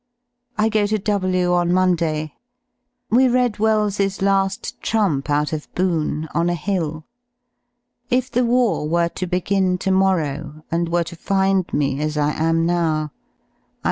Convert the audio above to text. I go to W on Monday. We read Wells's "La^ Trump" out of "Boon" on a hill. If the war were to begin to morrow and were to find me as I am now, I fj